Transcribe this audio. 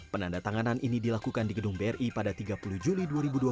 penandatanganan ini dilakukan di gedung bri pada tiga puluh juli dua ribu dua puluh